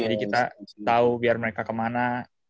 jadi kita tau biar mereka kemana